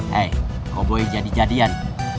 hei koboi jadi jadian